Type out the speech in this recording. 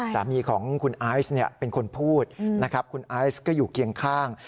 สามีของคุณไอซ์เป็นคนพูดนะครับคุณไอซ์ก็อยู่เคียงข้าง